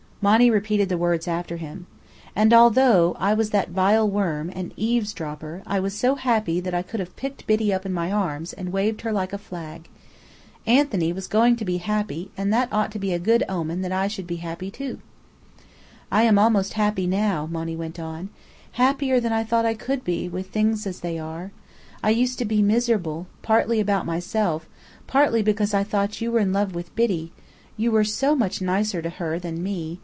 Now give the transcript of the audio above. '" Monny repeated the words after him. And although I was that vile worm, an eavesdropper, I was so happy that I could have picked Biddy up in my arms, and waved her like a flag. Anthony was going to be happy, and that ought to be a good omen that I should be happy too. "I am almost happy now," Monny went on. "Happier than I thought I could be, with things as they are. I used to be miserable, partly about myself, partly because I thought you were in love with Biddy (you were so much nicer to her than me!)